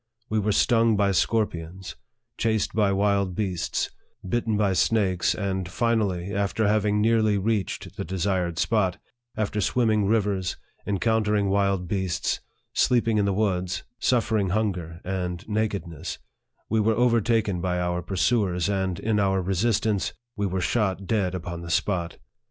We were stung by scorpions, chased by wild beasts, bitten by snakes, and finally, after having nearly reached the desired spot, after swimming rivers, encountering wild beasts, sleeping in the woods, suffering hunger and nakedness, we were overtaken by our pursuers, and, in our resistance, we were shot dead upon the spot